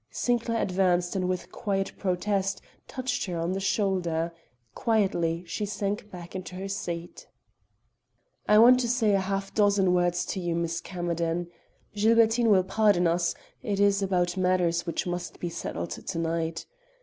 Sinclair advanced and with quiet protest, touched her on the shoulder. Quietly she sank back into her seat. "I want to say a half dozen words to you, Miss Camerden. Gilbertine will pardon us; it is about matters which must be settled to night.